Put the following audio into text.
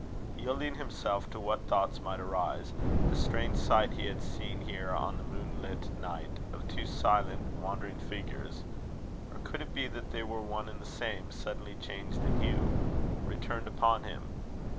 Yielding himself to what thoughts might arise, the strange sight he had seen here on that moonlit night, of two silent wandering figures or could it be that they were one and the same, suddenly changed in hue? returned upon him.